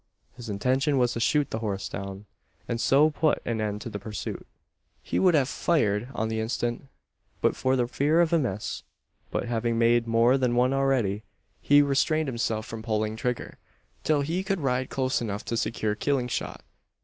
His intention was to shoot the horse down, and so put an end to the pursuit. He would have fired on the instant, but for the fear of a miss. But having made more than one already, he restrained himself from pulling trigger, till he could ride close enough to secure killing shot.